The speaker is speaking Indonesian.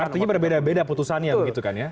artinya berbeda beda putusannya begitu kan ya